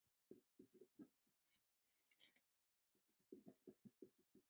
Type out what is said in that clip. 芙兰被设定为类似科学怪人那样的人造人。